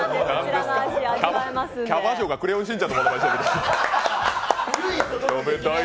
キャバ嬢がクレヨンしんちゃんのまねしてるみたい。